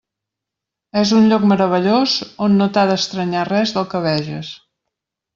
És un lloc meravellós on no t'ha d'estranyar res del que veges.